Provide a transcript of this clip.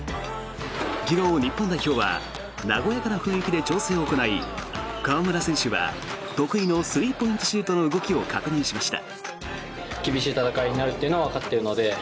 昨日、日本代表は和やかな雰囲気で調整を行い河村選手は、得意のスリーポイントシュートの動きを確認しました。